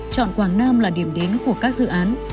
chọn quảng nam là điểm đến của các dự án